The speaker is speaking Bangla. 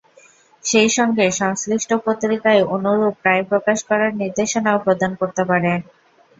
সেই সঙ্গে সংশ্লিষ্ট পত্রিকায় অনুরূপ রায় প্রকাশ করার নির্দেশনাও প্রদান করতে পারে।